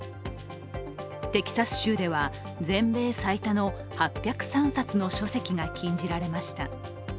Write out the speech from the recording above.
テキサス州では全米最多の８０３冊の書籍が禁じられました。